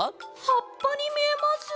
はっぱにみえます。